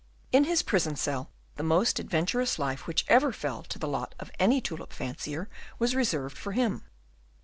In his prison cell the most adventurous life which ever fell to the lot of any tulip fancier was reserved for him.